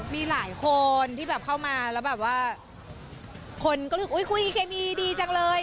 มีหลายคนที่แบบเข้ามาแล้วแบบว่าคนก็รู้สึกอุ๊ยคุยดีเคมีดีจังเลย